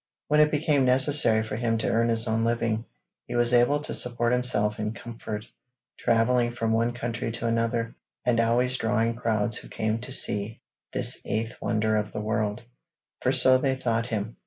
When it became necessary for him to earn his own living, he was able to support himself in comfort, travelling from one country to another, and always drawing crowds who came to see this Eighth Wonder of the world for so they thought him.